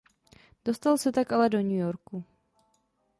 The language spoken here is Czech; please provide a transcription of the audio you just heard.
Dostal se tak ale do New Yorku.